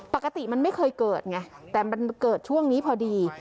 ปกติมันไม่เคยเกิดไงแต่มันเกิดช่วงนี้พอดี